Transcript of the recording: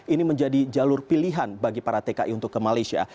ini menjadi jalur pilihan bagi para tki untuk ke malaysia